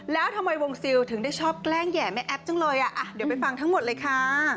แล้วทำไมวงซิลถึงได้ชอบแกล้งแหย่แม่แอฟจังเลยอ่ะ